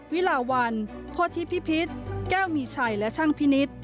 วิลาวันโพธิพิพิษแก้วมีชัยและช่างพินิษฐ์